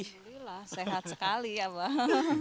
alhamdulillah sehat sekali ya pak